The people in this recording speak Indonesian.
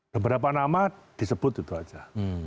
beberapa nama disebut itu saja